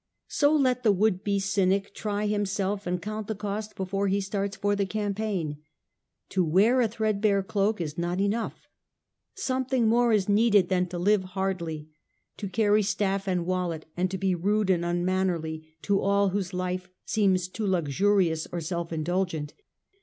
So let the would be Cynic try himself, and count the cost before he starts for the campaign. To wear a threadbare cloak is not enough : something more is needed than to live hardly — to carry staff and wallet, and to be rude and un mannerly to all whose life seems too luxurious or self in dulgent.